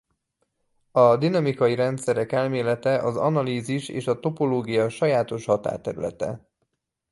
A dinamikai rendszerek elmélete az analízis és a topológia sajátos határterülete.